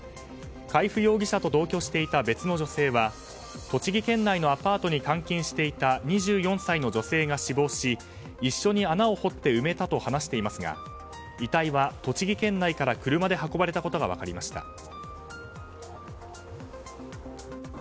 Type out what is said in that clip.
海部容疑者と同居していた別の女性は栃木県内のアパートに監禁していた２４歳の女性が死亡し一緒に穴を掘って埋めたと話していますが遺体は栃木県内から車で運ばれたことが分かりました。